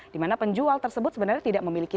di mana penjual tersebut sebenarnya tidak memiliki